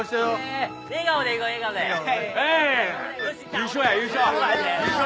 優勝や優勝。